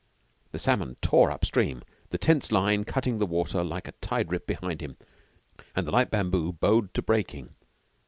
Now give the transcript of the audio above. The salmon tore up stream, the tense line cutting the water like a tide rip behind him, and the light bamboo bowed to breaking.